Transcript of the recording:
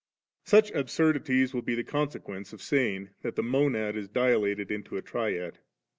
Such absurdities will be the consequence of saying that the Monad is dilated into a Triad.